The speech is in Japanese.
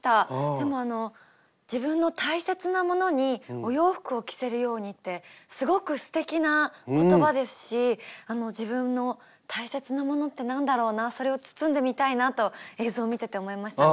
でもあの自分の大切なものにお洋服を着せるようにってすごくすてきな言葉ですし自分の大切なものって何だろうなそれを包んでみたいなと映像を見てて思いましたね。